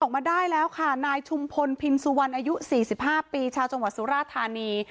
ออกมาได้แล้วค่ะนายชุมพลพินสุวรรณอายุ๔๕ปีชาวจังหวัดสุราธานี